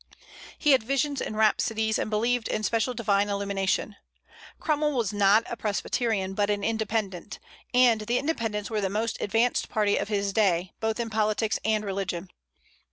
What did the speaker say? He had visions and rhapsodies, and believed in special divine illumination. Cromwell was not a Presbyterian, but an Independent; and the Independents were the most advanced party of his day, both in politics and religion.